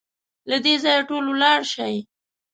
له دې ځايه ټول ولاړ شئ!